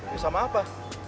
kerja sama apa